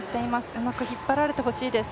うまく引っ張られてほしいです。